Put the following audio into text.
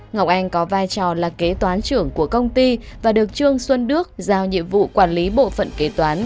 ngọc anh có vai trò là kế toán trưởng của công ty và được trương xuân đức giao nhiệm vụ quản lý bộ phận kế toán